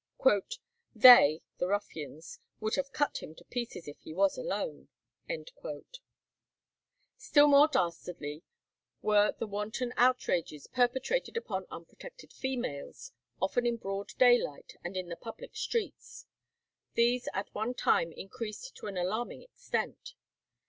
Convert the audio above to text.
"They (the ruffians) would have cut him to pieces if he was alone." Still more dastardly were the wanton outrages perpetrated upon unprotected females, often in broad daylight, and in the public streets. These at one time increased to an alarming extent.